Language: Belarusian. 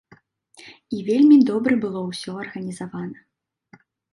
І вельмі добра было ўсё арганізавана.